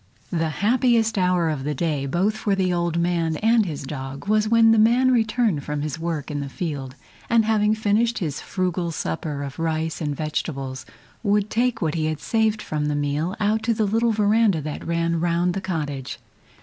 The happiest hour of the day both for the old man and his dog was when the man returned from his work in the field, and having finished his frugal supper of rice and vegetables, would take what he had saved from the meal out to the little veranda that ran round the cottage.